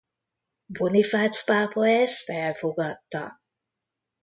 Bonifác pápa ezt elfogadta.